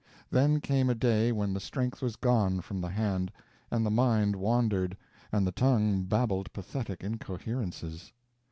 Then came a day when the strength was gone from the hand, and the mind wandered, and the tongue babbled pathetic incoherences.